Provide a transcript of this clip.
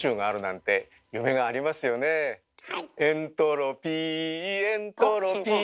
「エントロピーエントロピー」